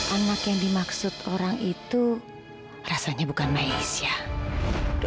anak yang dimaksud orang itu rasanya bukan malaysia